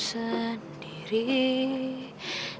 nishtaya dia akan merasa terhibur